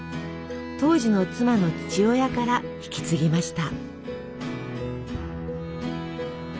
当時の妻の父親から引き継ぎました。